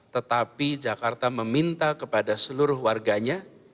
tetapi jakarta meminta kepada seluruh warganya